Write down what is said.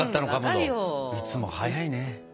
いつも早いね。